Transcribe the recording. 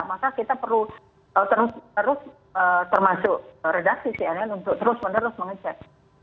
maka kita perlu terus menerus termasuk redaksi cnn untuk terus menerus mengecek